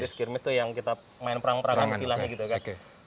jadi skirmish itu yang kita main perang perang silahnya gitu kan